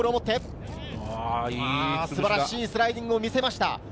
素晴らしいスライディングを見せました。